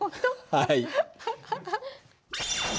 はい。